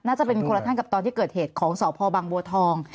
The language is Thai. น่าจะเป็นคนละท่านกับตอนที่เกิดเหตุของสพบังบัวทอง